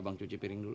abang cuci piring dulu